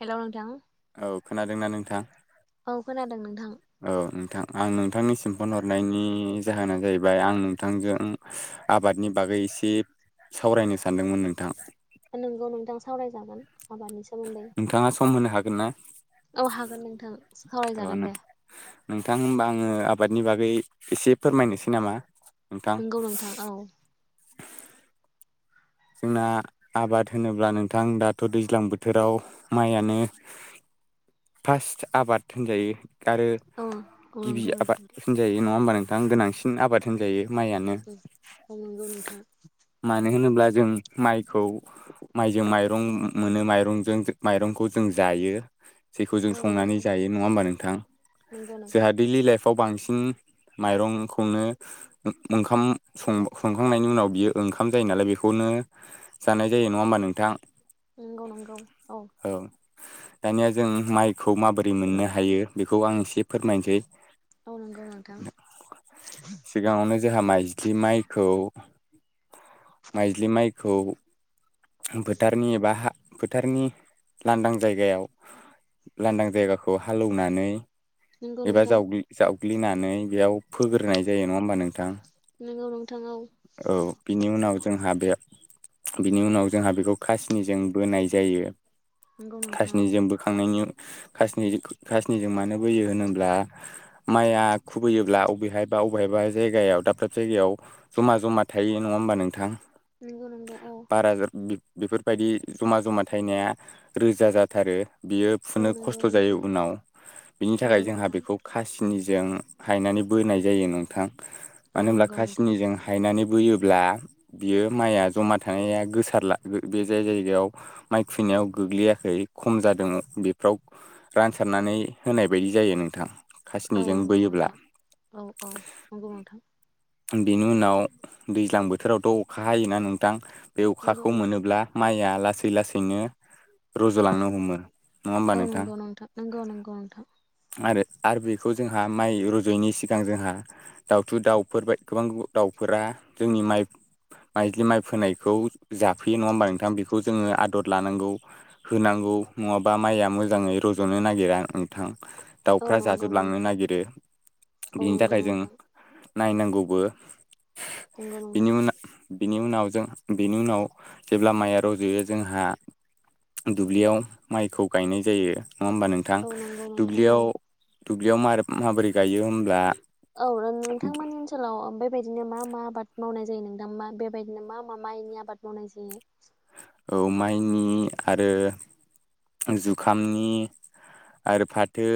हेल नोंथां औ खोनादोंना नोंथां? औ खोनादों नोंथां। औ नोंथां आं नोंथांनि सिम फन हरनायनि जाहोना जाहैबाय आं नोंथांजों आबादनि बागै एसे सावरायनो सानदोंमोन नोंथां। नोंगौ नोंथां सावरायजागोन। आबादनि सोमोन्दै नोंथाङा सम होनो हागोन ना? औ हागोन नोंथां सावरायजागोन औ दे। नोंथां होनबा आङो आबादनि बागै एसे फोरमायनोसै नामा? नोंथां नोंगौ नोंथां औ। जोंना आबाद होनोब्ला नोंथां दाथ' दैज्लां बोथोराव माइयानो फार्स्ट आबाद होनजायो। आरो औ औ गिबि नंगौ आबाद नोंथां होनजायो नङा होमबा नोंथां गोनांसिन आबाद होनजायो। माइआनो औ औ नंगौ नोंथां मानो होनोब्ला जों माइखौ माइजों माइरं मोनो माइरंजों माइरंखौ जों जायो। जेखौ जों औ संनानै नंगौ जायो नङा होमबा नोंथां नंगौ जोंहा दैलि लाइफ फाव बांसिन माइरंनो ओं संखांनायनि उनाव बियो। ओंखाम जायो नालाय बेखौनो जानाय जायो नङा होमबा नोंथां। नंगौ नंगौ औ दानिया जों माइखौ माबोरै मोननो हायो बेखौ आं एसे फोरमायनोसै। औ नंगौ नोंथां। सिगाङावनो जोंहा माइज्लि माइखौ। खौ फोथारनि एबा फोथारनि लांदां जायगायाव। लांदां जायगाखौ हालौनानै नंगौ एबा नोंथां जावग्लिनानै बेयाव फोग्रोनाय जायो नङा होमबा नोंथां। नोंगौ नोंथां औ। औ बिनि उनाव जोंहा बे बिनि उनाव जोंहा बेखौ कासनिजों बोनाय जायो। नंगौ नोंथां औ खासनिजों बोखांनायनि। खासनि खासनिजों मानो बोयो होनोब्ला माइआ खुबैयोब्ला अबेहायबा। अबेहबा जायगायाव दाब दाब जायगायाव जमा जमा थायो नङा होमबा नोंथां। नंगौ नंगौ औ। बारा बेफोरबायदि जमा जमा थायनाया रोजा जाथारो। बियो औ फुनो नंगौ खस्थ' जायो नोंथां उनाव बिनि थाखाय नंगौ जोंहा नोंथां बेखौ खासिनि। जों हायनानै बोनाय जायो नोंथां औ मानो होनब्ला नंगौ नोंथां खासनिजों हायनानै। बोयोब्ला बियो माइया जमा थानाया गोसा सारला बे जाय जायगायाव माइ खुबैनायाव गोग्लैयाखै खम जादों बेफ्राव रानसारनानै होनाय बायदि जायो नोंथां। औ खासिनिजों नंगौ बोयोब्ला नोंथां औ औ नंगौ नोंथां। बिनि उनाव दैज्लां बोथोरावथ' अखा हायोना नोंथां। बे नंगौ अखाखौ नोंथां मोनोब्ला माइया लासै लासैनो रज'लांनो हमो। नङा होमबा औ नंगौ नोंथां नोंगौ नोंगौ नोंथां आरो आरो बेखौ जोंहा माइ रज'यैनि सिगां जोंहा दाउथु दाउफोर बा गोबां दाउफोरा जोंनि माइ माइलि माइ फोनायखौ। जाफैयो नङा होमबा नोंथां बेखौ जोङो आदर लानांगौ होनांगौ नङाबा माइया मोजाङै र' रज'नो नागिरा नोंथां। औ दाउफ्रा नंगौ नंगौ जाजोबलांनो नागिरो औ बिनि नंगौ थाखाय जों नोंथां नायनांगौबो नंगौ बिनि नोंथां। उनाव बिनि उनाव जों बिनि उनाव। जेब्ला माइआ रज'यो जोंहा दुब्लियाव माइखौ गायनाय जायो। नङा होमबा नोंथां औ नंगौ नोंथां औ दुब्लियाव दुब्लियाव माबोरै गायो होमब्ला। औ नोंथांमोननि ओनसोलाव बेबायदिनो मा मा आबाद मावनाय। जायो नोंथां मा बेबायदिनो मा मा माइनि आबाद मावनाय जायो? औ माइनि आरो। जुखामनि आरो फाथो।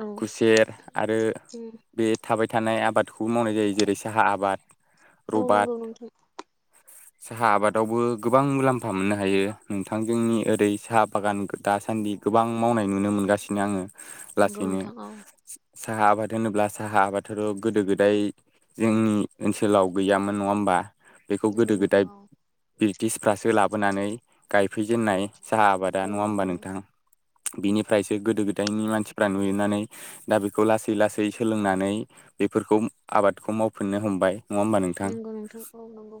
औ खुसेर आरो बे थाबाय थानाय आबादखौ मावनाय जायो जेरै साहा आबाद औ रबाट नंगौ नोंथां साहा आबादावबो गोबां मुलाम्फा। फा मोननो हायो नोंथां जोंनि ओरै सा बागान दासान्दि गोबां मावनाय नुनो मोनगासिनो आङो नंगौ लासैनो। नोंथां औ साहा आबाद होनोब्ला साहा आबादाथ' गोदो गोदाय जोंनि ओनसोलाव गैयामोन नङा होमबा? बेखौ नंगौ गोदो गोदाय नोंथां औ ब्रिटिशफ्रासो लाबोनानै गायफैजेननाय साहा आ बादा औ नङा होमबा नंगौ नोंथां। बिनिफ्रायसो गोदो गोदायनि मानसिफ्रा नुयोनानै दा बेखौ लासै लासै सोलोंनानै। बेफोरखौ आबादखौ मावफिननो हमबाय। नङा होमबा नोंथां नंगौ नोंथां औ नंगौ।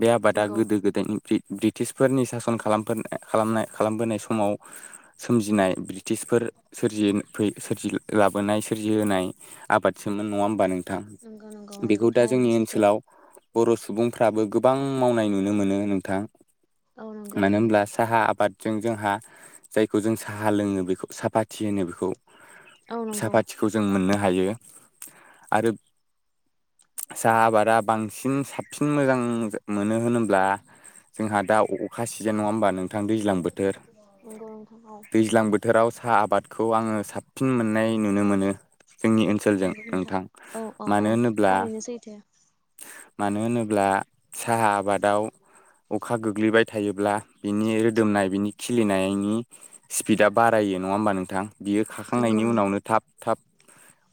बे आबादा नंगौ गोदो गोदायनि ब्रिटिशफोरनि सासन खालाम खालामबोनाय समाव सोमजिनाय ब्रिटिशफोर सोरजि फै सोरजि। लाबोनाय सोरजि होनाय आबादसोमोन नङा होमबा नों थां नंगौ नंगौ बेखौ नंगौ दा जोंनि थारैनो सैथो ओनसोलाव। बर' सुबुंफ्राबो गोबां मावनाय नुनो मोनो नोंथां। औ नंगौ मानो नंगौ। होनब्ला साहा आबादजों जोंहा जायखौ जों साहा लोङो बेखौ साफाथि होनो बेखौ। औ नंगौ साफाथिखौ जों मोननो हायो आरो। साहा आबादा बांसिन साबसिन मोजां मोनो होनोब्ला। जोंहा दा अखा सिजेन नङा होमबा नोंथां दैज्लां बोथोर नंगौ नोंथां औ दैज्लां बोथोर बोथोराव साहा आबादखौ आङो साबसिन मोननाय नुनो मोनो। जोंनि ओनसोलजों नंगौ नोंथां औ औ औ मानो होनोब्ला। थारैनो सैथो मानो होनोब्ला साहा आबादाव अखा गोग्लैबाय थायोब्ला। बिनि रोदोमनाय बिनि खिलिनायनि स्पिडा बारायो नङा होमबा नोंथां। बियो नंगौ खाखांनायनि उनावनो थाब थाब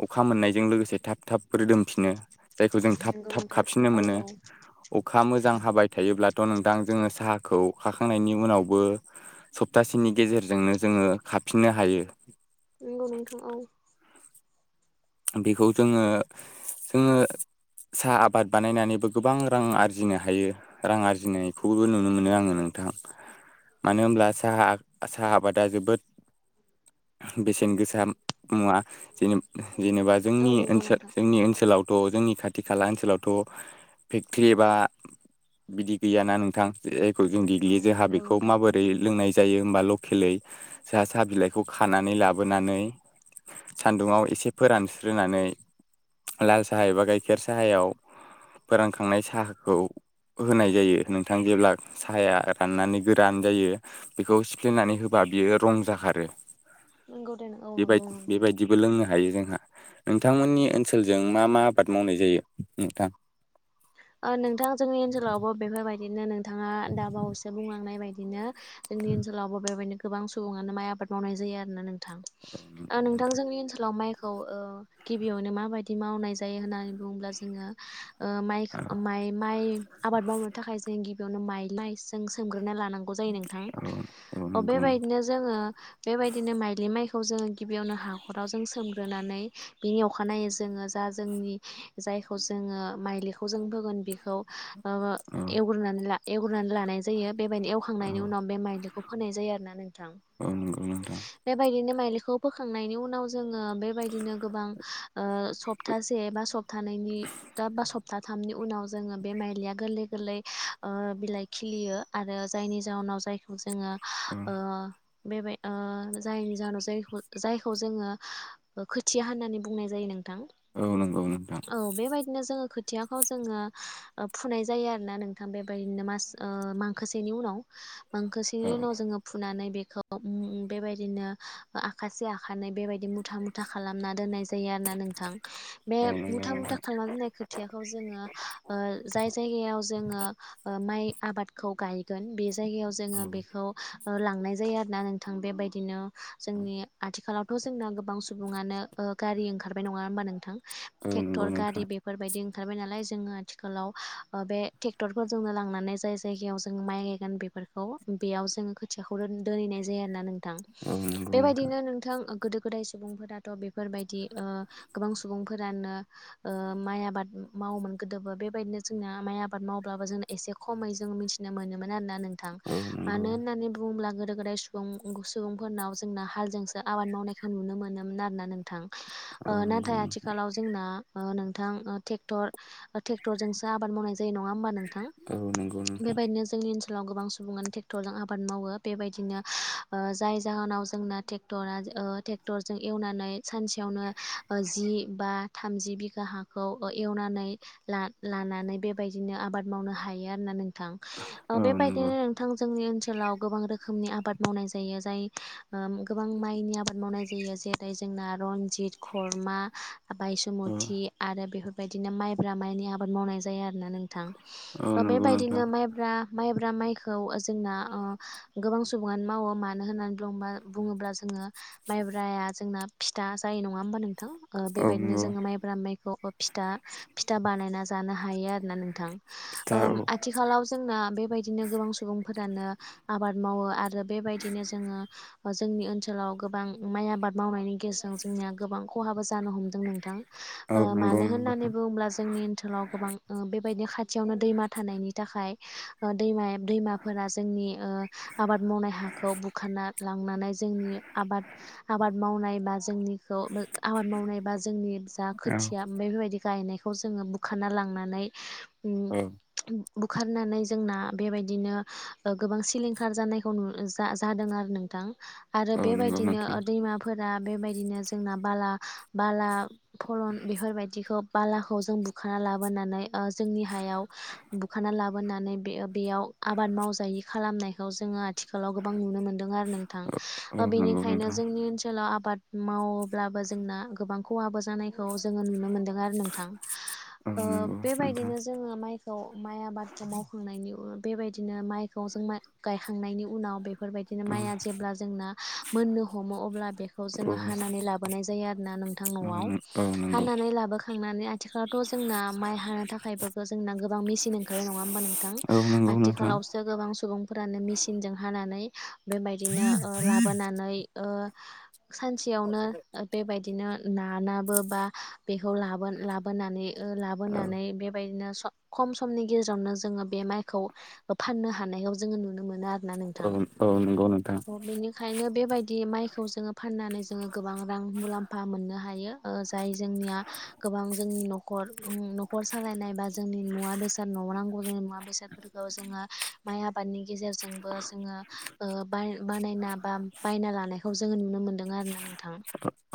अखा मोननायजों लोगोसे थाब थाब रोदोमफिनो। जायखौ जों थाब नंगौ थाब नोंथां खाफिननो औ मोनो औ अखा मोजां हाबाय थायोब्ला। थ' नोंदां जोङो साहाखौ। खाखांनायनि उनावबो सप्तासेनि गेजेरजोंनो जोङो खाफिननो हायो। नंगौ नोंथां औ बेखौ जोङो जोङो। साहा आबाद बानायनानैबो गोबां रां आरजिनो हायो रां आरजिनायखौबो नुनो मोनो आङो नों थां मानो होनब्ला साहा साहा आबादा जोबोद बेसेन गोसा मुवा जेने जेनेबा औ जोंनि नंगौ ओनसोल नोंथां जोंनि ओनसोलाव अ जोंनि खाथि खाला ओनसोलावथ' फेक्टरि एबा बिदि गैयाना नोंथां जायखौ जों औ देग्लियो जोंहा नंगौ बेखौ नोंथां माबोरै लोंनाय जायो हमबा लकेलै साहा साहा बिलाइखौ खानानै लाबोनानै सान्दुुङाव एसे फोरानस्रोनानै लाल साहा एबा गाइखेर साहायाव फोरानखांनाय साहाखौ होनाय जायो नोंथां जेब्ला साहाया राननानै गोरान जायो बेखौ सिफ्लेनानै होबा बियो रं जाखारो नंगौ औ बेबाय नंगौ नोंथां। बेबायदिबो लोंनो हायो जोंहा नोंथांमोननि ओनसोलजों मा मा आबाद मावनाय जायो नोंथां। बिदिनो नोंथाङा दाबावैसो बुंलांनाय बायदिनो जोंनि ओनसोलावबो बेबायदिनो। गोबां सुबुङानो माइ आबाद मावनाय जायो आरो ना नोंथां नोंथां जोंनि ओनसोलाव माइ। खौ गिबियावनो माबायदि मावनाय जायो होननानै बुङोब्ला जोङो माइ माइ माइ आबाद मावनो थाखाय जों गिबियावनो माइ सोमग्रोनांगौ। सोमगोरना लानांगौ नोंथां औ जोंङो नंगौ नोंथां बेबायदिनो जोङो गिबियावनो हाखराव जों सोमग्रोनानै बिनि अखानायै जोङो जा जोंनि जाय खौ जोंङो मायलिखौ जों होगोन बेखौ औ एवग्रोनानै एवग्रोनानै लानाय जायो। बेबायदिनो औ एवखांनायनि उनाव बे माइलिखौ फोनाय जायो आरोना नोंथां। औ नांगौ नोंथां। बेबायदिनो माइलिखौ बोखांनायनि उनाव जोङो बेबायदिनो गोबां सप्तासे बा सप्तानै। [unintelligible] थामनि उनाव जोङो बे माइलिया गोरलै गोरलै बिलाइ खिलियो आरो जायनि जउनाव जायखौ जोङो। औ जोङो बेबाय जायनि जाहोनाव जायखौ जायखौ जोङो खोथिया होननानै बुंनाय जायो नों थां औ नंगौ नोंथां औ बेबायदिनो जोङो। खोथियाखौ जोङो फुनाय जायो आरोना नोंथां बेबायदिनो मास मांखोसेनि उनाव। औ मांखासेनि उनाव जोङो फुनानै बेखौ बेबायदिनो आखासे आखानै बेबायदि मुथा मुथा खालामना दोननाय जायो आरो ना नोंथां बे औ नंगौ मुथा मुथा नोंथां खालामना [unintelligible] जोंङो ओ जाय जायगायाव जोंङो ओ माइ आबादखौ गायगोन बे जायगायाव औ जायगायाव जोङो बेखौ लांनाय जायो आरो ना नोंथां बेबायदिनो जोंनि आथिखालावथ' जोंना गोबां सुबुङानो ओ ओ गारि ओंखारबाय नङा होनबा नोंथां औ नंगौ नोंथां बायदि ओंखारबाय नालाय जोंङो आथिलाव बे ट्रेक्टरफोरजोंनो लांनानै जों जाय जायगायाव माइ गोन बेफोरखौ बेयाव जोङो खोथियाखौ दोनहैनाय जायो आरो ना नों थां औ नंगौ बेबायदिनो नोंथां गोदो गोदाय सुबुंफोराथ' बेफोरबायदि ओ गोबां सुबुंफोरानो ओ माइ आबाद मावोमोन गोदोबो बेबायदिनो जोंना माइ आबाद मावब्लाबो जों एसे खमै जों मिथिनो मोनोमोन। रोना नोंथां औ मानो नंगौ होननानै बुंङोब्ला गोदो गोदाय सुबुं सुबुंफोरनाव जोंना हालजोंसो आबाद मावनायखौ नुनो मोनोमोन आरोना नोंथां औ ओ नाथाय नंगौ आथिखालाव जोंना ओ नों थां ट्रेक्टरजोंसो आबाद मावनाय जा यो नङा हबा नोंथां औ नंगौ नोंथां बेबायदिनो जोंनिथिं आथिखालाव गोबां सुबुङानो ट्रेक्टरजों आबाद मावो बेबायदिनो ओ जाय जाहोनाव जोंना ट्रेक्टरा ओ ट्रेक्टरजों एवनानै सानसेयावनो जि बा थामजि बिघा हा खौ एवनानै ला लानानै बेबायदिनो आबाद मावनो हायो आरोना नों थां ओ औ नंगौ बेबायदिनो नोंथां जोंनि ओनसोल ओनसोलाव गोबां रोखोमनि आबाद मावनाय जायो जाय ओ गोबां माइनि आबाद मावनाय जायो जेरै जों ना रनजित खर्मा औ बायसुमथि आरो बेफोरबायदिनो माइब्रा माइनि आबाद मावनाय जायो आरोना नोंथां औ नंगौ नोंथां बेबायदिनो माइब्रा माइब्रा माइखौ जोंना ओ गोबां सुबुङानो मावो मानो होननानै बुंब्ला बुङोब्ला जों यो माइब्राया जोंना फिथा जायो नङा होमबा नों थां ओ औ बेबायदिनो नंगौ जोङो माइब्रा माइखौ फिथा फिथा बानायना जानो हायो आरोना नोंथां ओ फिथा औ आथिखालाव जोंना बेबायदिनो गोबां सुबुं फोरानो आबाद मावो आरो बेबायदिनो जोङो जोंनि ओनसोलाव गोबां माइ आबाद मावनायनि गेजेरजों जोंनिया गोबां ख'हाबो जानो हमदों नोंथां औ ओ नंगौ मानो नंगौ होननानै बुङोब्ला जोंनि ओनसोलाव गोबां ओ बेबायदि खाथि खाथियावनो दैमा थानायनि थाखाय ओ दैमाया दैमाफोरा जोंनि ओ आबाद मावनाय हाखौ बुखारना लांनानै जोंनि आबाद आबाद मावनाय बा जोंनिखौ आबाद मावनायबा जोंनि जा औ खोथिया ओमफाय बेबायदि गायनायखौ जोङो बुखाराना लांनानै औ बुखारनानै जोंना बेबायदिनो गोबां सिलिंखार जानायखौ नु जादों आरो नोंथां आरो औ नंगौ बेबायदिनो नोंथां दैमाफोरा बेबायदिनो जोंना बाला बाला फल बेफोरबायदिखौ बालाखौ जों बुखाना लाबोनानै ओ जोंनि हायाव बुखाना ला बोनानै बे बेयाव आबाद मावजायि खालामनायखौ जोङो थिखालाव गोबां नुनो मोनदों आरो नोंथां औ ओ नंगौ बेनिखायनो नोंथां जोंनि ओनसोलाव आबाद मावोब्लाबो जोंना गोबां ख'हाबो जानायखौ जोङो नुनो मोनदों आरो नोंथां औ ओ नंगौ नोंथां बेबायदिनो जोङो माइखौ माइ आबादखौ मावखांनायनि उ बेबायदिनो माइखौ जों माइ गायखांनायनि उनाव बे बेफोरबायदिनो औ माइया जेब्ला जोंना मोननो हमो अब्ला बेखौ औ जोङो हानानै लाबोनाय जायो आरोना नोंथां औ न'आव नंगौ हानानै लाबोखांनानै आथिखालावथ' जोंना माइ हानो थाखायबो जोंना गोबां मेसिन ओंखारबाय ना नङा होमबा नोंथां औ नंगौ नोंथां आथिखालावसो गोबां सुबुंफोरानो मेसिनजों हाना नै बेबायदिनो ओ लाबोनानै ओ सानसेयावनो बेबायदिनो नानाबो बा बेखौ लाबो लाबोनानै। ओ औ लाबोनानै बेबायदिनो। खम समनि गेजेरावनो जोङो बे माइखौ फाननो हानायाव जोङो नुनो मोनो आरो ना नोंथां औ औ नंगौ नोंथां बेनिखायनो बेबायदि। दि माइखौ जोङो फाननानै जोङो गोबां रां मुलामफा मोननो हायो। ओ जाय जोंनिया गोबां जोंनि न'खर। न'खर सालायनाय बा जोंनि मुवा बेसाद न'याव नांगौ जोंनि मुवा बेसादफोरखौ जोङो। माइ आबादनि गेजेरजोंबो जोङो बाय बानायना बा बायना लानायखौ जों ङो नुनो मोनदों आरोना नोंथां।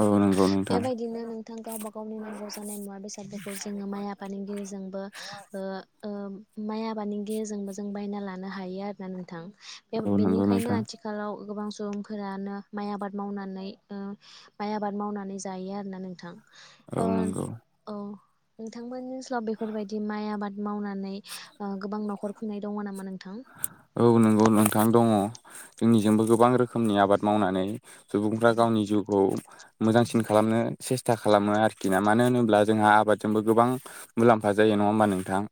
औ नंगौ नोंथां। बिदिनो नोंथां गावबा गावनि नांगौ जानाय मुवा बेसादफोरखौ जोङो माइ आफादनि गेजेरजोंबो। ओ माइ आबादनि गेजेरजोंबो जों बायना लानो हायो आरोना नोंथां। औ नंगौ बेनिखायनो नोंथां आथिखालाव गोबां। सुबुंफोरानो माइ आबाद मावनानै ओ माइ आबाद मावनानै जायो आरोना नोंथां। ओ औ नंगौ औ नोंथांमोननि ओनसोलाव बेफोरबायदि माइ आबाद मावनानै। नै गोबां न'खर खुंनाय दङ नामा नोंथां। औ नंगौ नोंथां दङ जोंनिजोंबो गोबां रोखोम। मनि आबाद मावनानै सुबुंफ्रा गावनि जिउखौ मोजांसिन खालामनो। सेसथा खालामो आरोखि ना मानो होनोब्ला जोंहा आबादजोंबो गोबां मुलामफा जायो नङा होमबा नोंथां?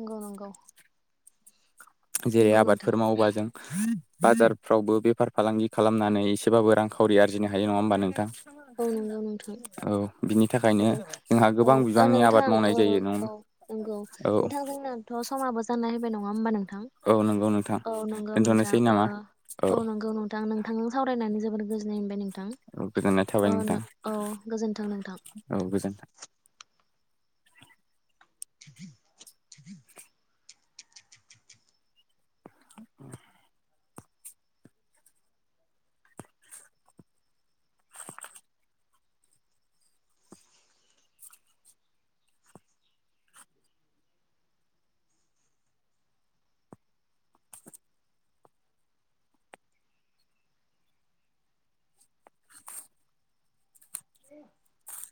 नंगौ नंगौ। जेरै नंगौ नोंथां आबादफोर मावोबा जों। बाजारफ्रावबो बेफार फालांगि खालामनानै एसेबाबो रांखावरि आरजिनो हायो नङा होमबा नोंथां। औ नंगौ नोंथां औ। बिनि औ थाखायनो जोंहा गोबां औ बिबांनि आबाद नोंथां मावनाय औ जायो नों नंगौ औ नोंथांजोंनोथ'। समाबो जाना हायबाय नङा होनबा नों औ नंगौ नोंथां औ नंगौ नोंथ दोनथ'नोसै नामा औ नंगौ नोंथां। नोंथांजों सावरायनानै जोबोर गोजोननाय मोनबाय नोंथां औ गोजोननाय थाबाय नोंथां औ गोजोन्थों नोंथां। औ गोजोन्थों। [inaudible] [inaudible] [inaudible]